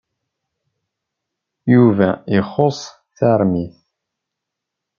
Yuba ixuṣ tarmit.